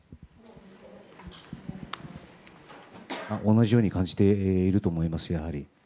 同じように感じていると思います。